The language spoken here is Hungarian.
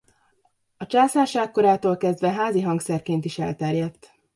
A császárság korától kezdve házi hangszerként is elterjedt.